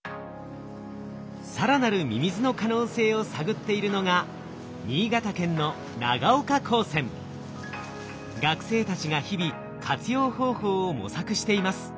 更なるミミズの可能性を探っているのが新潟県の学生たちが日々活用方法を模索しています。